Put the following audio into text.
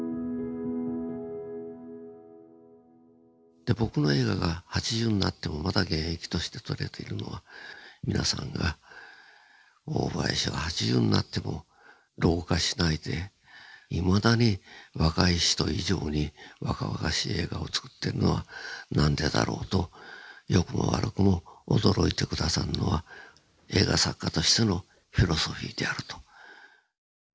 で僕の映画が８０になってもまだ現役として撮れているのは皆さんが「大林は８０になっても老化しないでいまだに若い人以上に若々しい映画をつくってるのは何でだろう」と良くも悪くも驚いて下さるのは映画作家としてのフィロソフィーであると。